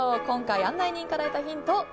今回、案内人から得たヒント